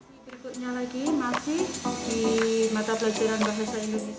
ini berikutnya lagi masih di mata pelajaran bahasa indonesia